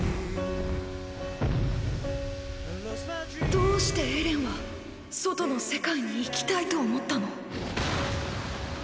どうしてエレンは外の世界に行きたいと思ったの？